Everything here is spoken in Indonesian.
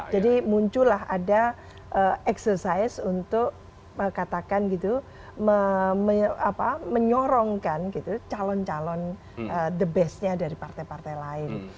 jadi munculah ada exercise untuk katakan gitu menyorongkan calon calon the best nya dari partai partai lain